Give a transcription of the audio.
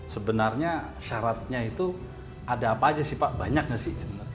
sebenarnya syaratnya itu ada apa aja sih pak banyak gak sih